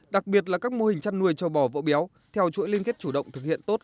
đặc biệt là các mô hình chăn nuôi châu bò vỗ béo theo chuỗi liên kết chủ động thực hiện tốt